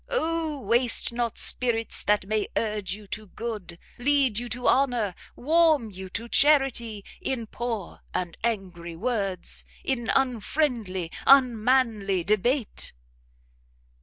Oh waste not spirits that may urge you to good, lead you to honour, warm you to charity, in poor and angry words, in unfriendly, unmanly debate!"